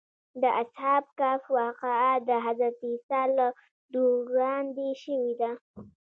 د اصحاب کهف واقعه د حضرت عیسی له دور وړاندې شوې ده.